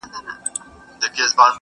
یوځل وانه خیست له غوښو څخه خوند -